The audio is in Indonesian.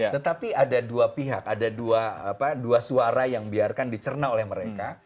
tetapi ada dua pihak ada dua suara yang biarkan dicerna oleh mereka